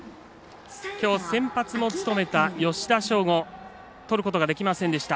きょう先発も務めた、吉田匠吾とることができませんでした。